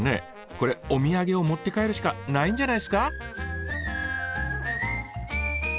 これお土産を持って帰るしかないんじゃないですか？